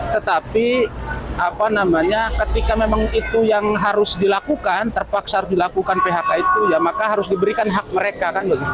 tetapi apa namanya ketika memang itu yang harus dilakukan terpaksa harus dilakukan phk itu ya maka harus diberikan hak mereka